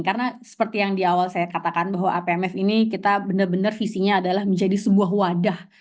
karena seperti yang di awal saya katakan bahwa apmf ini kita benar benar visinya adalah menjadi sebuah wadah